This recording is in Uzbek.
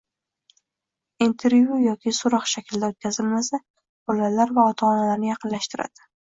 intervyu yoki so‘roq shaklida o‘tkazilmasa, bolalar va ota-onalarni yaqinlashtiradi